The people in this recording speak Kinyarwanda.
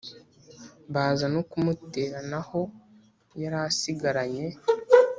baza no kumutera n’aho yari asigaranye.